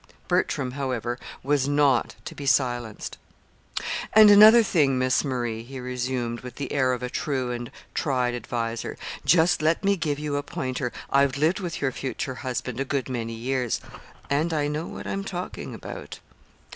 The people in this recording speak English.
Bertram, however, was not to be silenced. "And another thing, Miss Marie," he resumed, with the air of a true and tried adviser. "Just let me give you a pointer. I've lived with your future husband a good many years, and I know what I'm talking about."